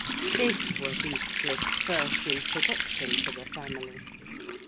This was Heathcliff's first introduction to the family.